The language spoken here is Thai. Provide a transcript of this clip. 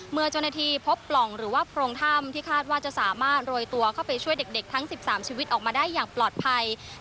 เมื่อเจ้าหน้าที่พบปล่องหรือว่าโพรงถ้ำที่คาดว่าจะสามารถโรยตัวเข้าไปช่วยเด็กทั้ง๑๓ชีวิตออกมาได้อย่างปลอดภัย